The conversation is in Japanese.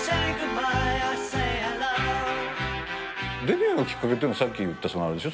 デビューのきっかけっていうのはさっき言ったあれでしょ？